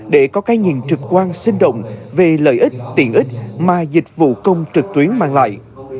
để có cái nhìn trực quan sinh động về lợi ích tiện ích mà dịch vụ công trực tuyến mang lại